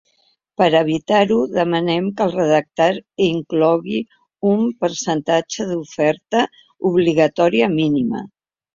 Per evitar-ho, demanen que el redactat inclogui un percentatge d’oferta obligatòria mínima.